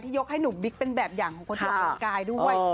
ยกให้หนุ่มบิ๊กเป็นแบบอย่างของคนที่ออกกำลังกายด้วย